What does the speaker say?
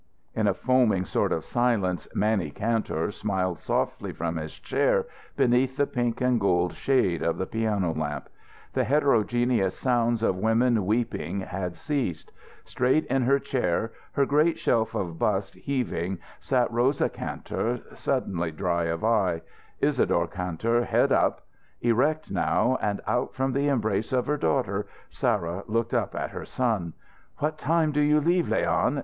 In a foaming sort of silence, Mannie Kantor smiled softly from his chair beneath the pink and gold shade of the piano lamp. The heterogeneous sounds of women weeping had ceased. Straight in her chair, her great shelf of bust heaving, sat Rosa Kantor, suddenly dry of eye; Isadore Kantor head up. Erect now, and out from the embrace of her daughter, Sarah looked up at her son. "What time do you leave, Leon?"